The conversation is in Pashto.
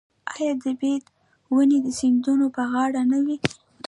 آیا د بید ونې د سیندونو په غاړه نه وي؟